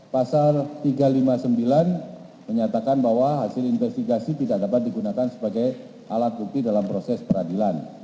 pasal tiga ratus lima puluh sembilan menyatakan bahwa hasil investigasi tidak dapat digunakan sebagai alat bukti dalam proses peradilan